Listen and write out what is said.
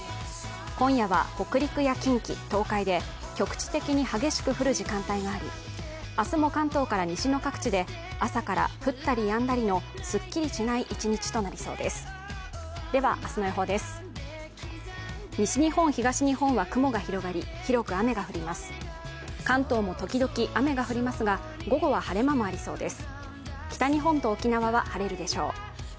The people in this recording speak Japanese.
今夜は北陸や近畿、東海で局地的に激しく降る時間帯があり、明日も関東から西の各地で朝から降ったりやんだりのすっきりしない一日となりそうです。